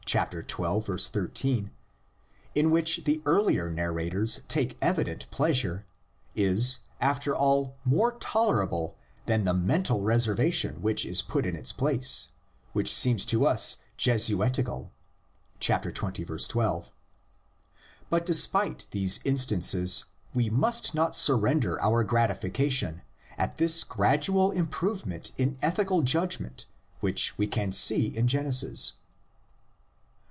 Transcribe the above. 13), in which the earlier narrators take evident pleasure, is after all more tolerable than the mental reservation which is put in its place, which seems to us Jesuitical (xx. 12). But despite these instances we must not surrender our gratifica tion at this gradual improvement in ethical judg ment which we can see in Genesis.